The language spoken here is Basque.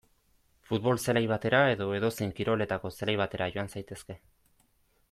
Futbol zelai batera edo edozein kiroletako zelai batera joan zaitezke.